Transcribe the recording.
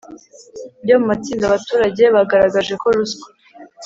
byo mu matsinda abaturage bagaragaje ko ruswa